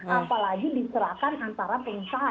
apalagi diserahkan antara pengusaha